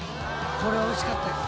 これおいしかったです。